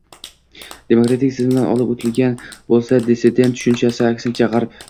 demokratik tizimdan olib o‘tilgan bo‘lsa, “dissident” tushunchasi, aksincha, G‘arb